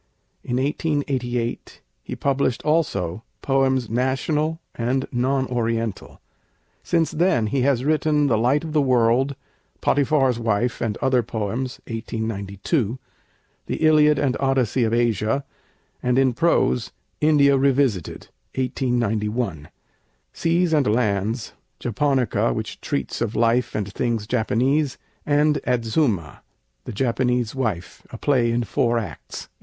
In 1888 he published also 'Poems National and Non Oriental.' Since then he has written 'The Light of the World'; 'Potiphar's Wife, and Other Poems' (1892); 'The Iliad and Odyssey of Asia,' and in prose, 'India Revisited' (1891); 'Seas and Lands'; 'Japonica,' which treats of life and things Japanese; and 'Adzuma, the Japanese Wife: a Play in Four Acts' (1893).